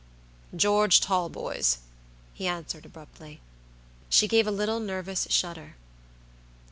"George Talboys," he answered abruptly. She gave a little nervous shudder.